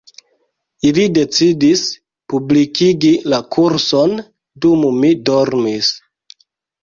Ili decidis publikigi la kurson dum mi dormis